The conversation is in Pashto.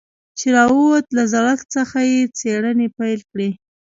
چې راووت له زړښت څخه يې څېړنې پيل کړې.